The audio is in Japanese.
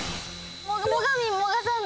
⁉最上もがさん。